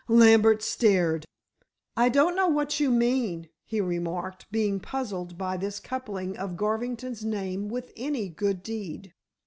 Lambert stared. "I don't know what you mean," he remarked, being puzzled by this coupling of Garvington's name with any good deed.